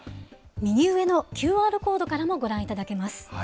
右上のＱＲコードからもご覧いただけます。